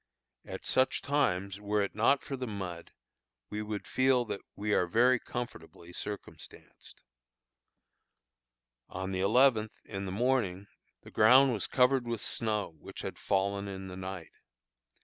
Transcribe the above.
At such times, were it not for the mud, we would feel that we are very comfortably circumstanced. On the eleventh, in the morning, the ground was covered with snow which had fallen in the night.